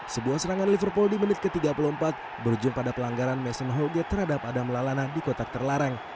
sebuah serangan liverpool di menit ke tiga puluh empat berujung pada pelanggaran mason holgate terhadap adam lalana di kotak terlarang